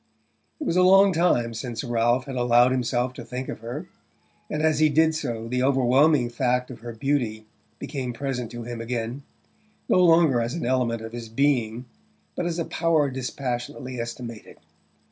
It was a long time since Ralph had allowed himself to think of her, and as he did so the overwhelming fact of her beauty became present to him again, no longer as an element of his being but as a power dispassionately estimated.